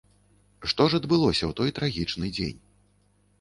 Што ж адбылося ў той трагічны дзень?